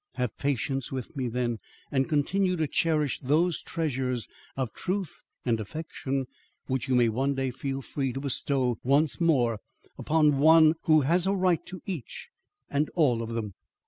Have patience with me, then; and continue to cherish those treasures of truth and affection which you may one day feel free to bestow once more upon one who has a right to each and all of them.